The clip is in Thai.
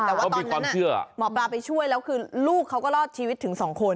แต่ว่าตอนนั้นหมอปลาไปช่วยแล้วคือลูกเขาก็รอดชีวิตถึง๒คน